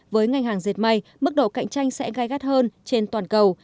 với ngành hàng dệt may mức độ cạnh tranh sẽ gai gắt hơn trên toàn cầu